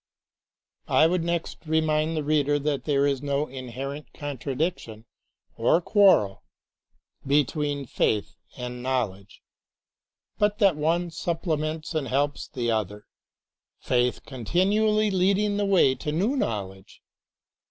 I would next remind the reader that there is no inherent contradiction or quarrel be tw^een faith and knowledge, but that one supplements and helps the other, faith con tinually leading the way to new knowledge.